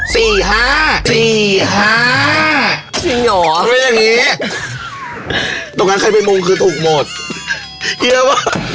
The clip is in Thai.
จริงเหรอพูดอย่างงี้ตรงนั้นใครไปมุมคือถูกหมดเยอะป่ะ